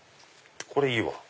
これいいわ！